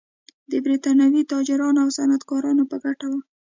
د برېټانوي تاجرانو او صنعتکارانو په ګټه و.